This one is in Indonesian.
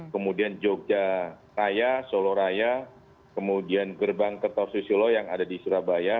kemudian jogja raya solo raya kemudian gerbang kertausi sulo yang ada di surabaya